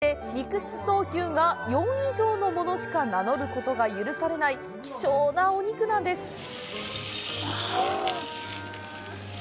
黒毛和種の雌牛で、肉質等級が４以上のものしか名乗ることが許されない、希少なお肉なんです。